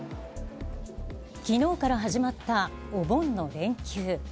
きのうから始まったお盆の連休。